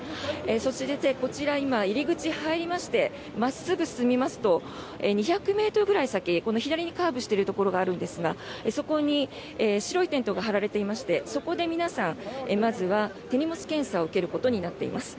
そして、こちら今入り口に入りまして真っすぐ進みますと２００ｍぐらい先左にカーブしているところがあるんですがそこに白いテントが張られていましてそこで皆さん、まずは手荷物検査場を受けることになっています。